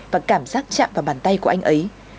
và cảm giác chạm vào bàn tay của anh ấy